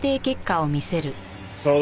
沢田